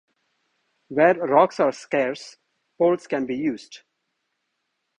Where rocks are scarce poles can be used.